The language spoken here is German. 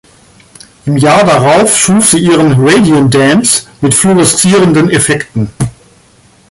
Im Jahr darauf schuf sie ihren "Radium Dance" mit fluoreszierenden Effekten.